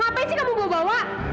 ngapain sih kamu mau bawa